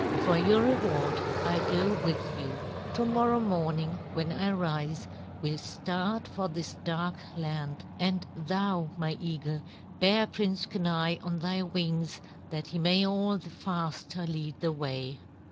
For your reward, I'll go with you. To morrow morning when I rise, we'll start for this dark land, and thou, my eagle, bear Prince Kenai on thy wings that he may all the faster lead the way."